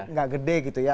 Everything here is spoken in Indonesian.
ngak gede gitu ya